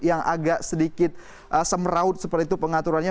yang agak sedikit semraut seperti itu pengaturannya